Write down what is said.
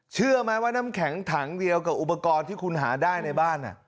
เชื่อไหมว่าน้ำแข็งถังเดียวกับอุปกรณ์ที่คุณหาได้ในบ้าน